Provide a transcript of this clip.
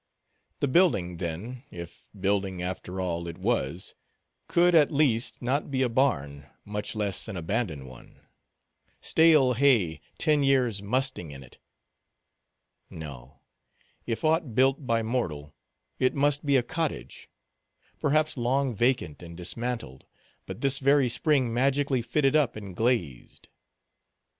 The building, then—if building, after all, it was—could, at least, not be a barn, much less an abandoned one; stale hay ten years musting in it. No; if aught built by mortal, it must be a cottage; perhaps long vacant and dismantled, but this very spring magically fitted up and glazed.